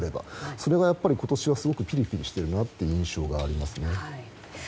それが今年はすごくピリピリしている印象がありますね。